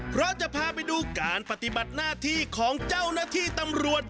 เพราะจะพาไปดูการปฏิบัติหน้าที่ของเจ้าหน้าที่ตำรวจ